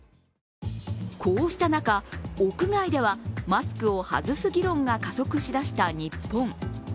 こうした中、屋外ではマスクを外す議論が加速しだした日本。